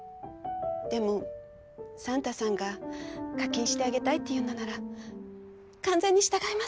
でもサンタさんが課金してあげたいっていうのなら完全に従います。